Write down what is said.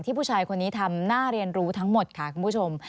ผู้ชายคนนี้ทำหน้าเรียนรู้ทั้งหมดค่ะคุณผู้ชม